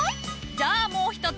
じゃあもう一つ。